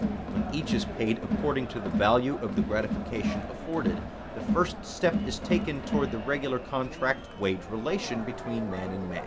When each is paid according to the value of the gratification afforded, the first step is taken toward the regular contract wage relation between man and man.